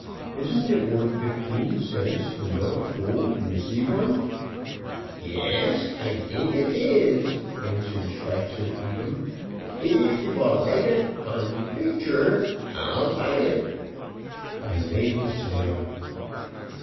"Isn't it worth fifteen cents to know a fool when you see one?" "Ye e es, I dink it ess," answered Sweitzer Edam, "and eef you vill write it on the peakture I'll buy it." I made the sale.